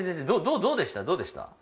どうでした？